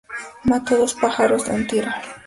Mató dos pájaros de un tito